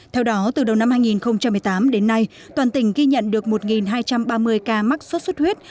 theo đó từ đầu năm hai nghìn một mươi tám đến nay toàn tỉnh ghi nhận được một hai trăm ba mươi ca mắc sốt xuất huyết